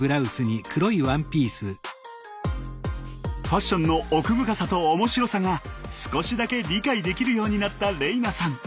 ファッションの奥深さと面白さが少しだけ理解できるようになった玲那さん。